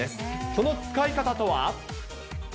その使い方とは。